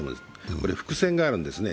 これ、伏線があるんですね。